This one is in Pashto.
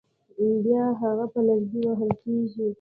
بیا هغه په لرګي وهل کېږي.